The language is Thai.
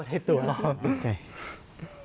ไม่ได้ตรวจ